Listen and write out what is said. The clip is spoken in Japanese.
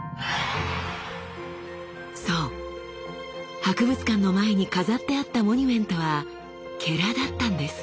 そう博物館の前に飾ってあったモニュメントはだったんです。